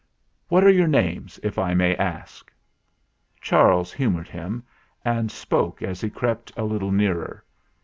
What are your names, if I may ask?" Charles humoured him and spoke as he crept a little nearer.